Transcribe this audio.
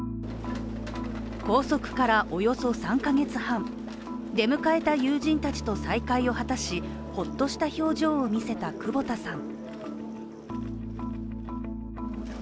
拘束からおよそ３か月半、出迎えた友人たちと再会を果たしホッとした表情を見せた久保田さん。